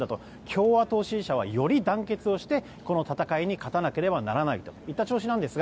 共和党支持者はより団結して、この戦いに勝たなければならないといった調子なんです